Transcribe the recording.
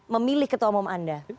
memilih ketua umum anda